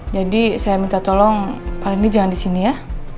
jadi saya minta tolong pak randy jangan di sini ya